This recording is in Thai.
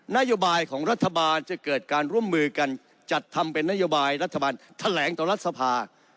นโยบายของรัฐบาลจะเกิดการร่วมมือกันจัดทำเป็นนโยบายรัฐบาลแถลงต่อรัฐสภา